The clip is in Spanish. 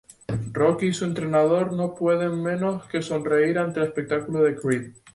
Rocky y su entrenador no pueden menos que sonreír ante el espectáculo de Creed.